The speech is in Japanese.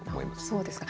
そうですか。